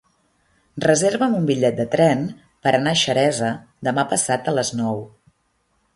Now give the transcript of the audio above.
Reserva'm un bitllet de tren per anar a Xeresa demà passat a les nou.